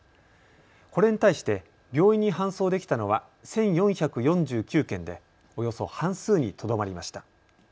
これに対して病院に搬送できたのは１４４９件でおよそ半数にとどまりました。